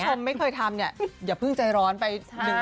คุณผู้ชมไม่เคยทำเนี่ยอย่าเพิ่งใจร้อนไป